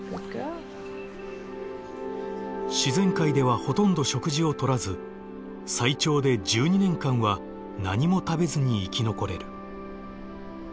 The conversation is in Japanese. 自然界ではほとんど食事をとらず最長で１２年間は何も食べずに生き残れる。